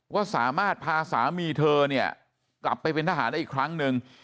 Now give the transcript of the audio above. ว่าสามารถพาสามีเธอเนี่ยกลับไปเป็นทหารได้อีกครั้งหนึ่ง